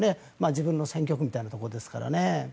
自分の選挙区みたいなところですからね。